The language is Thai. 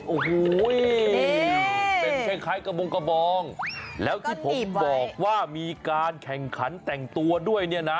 โอ้โหเป็นคล้ายกระบงกระบองแล้วที่ผมบอกว่ามีการแข่งขันแต่งตัวด้วยเนี่ยนะ